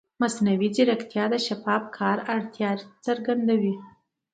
مصنوعي ځیرکتیا د شفاف کار اړتیا څرګندوي.